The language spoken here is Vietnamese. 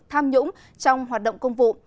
tham nhũng trong hoạt động công vụ